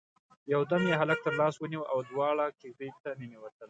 يودم يې هلک تر لاس ونيو او دواړه کېږدۍ ته ننوتل.